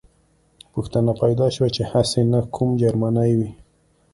پوښتنه پیدا شوه چې هسې نه کوم جرمنی وي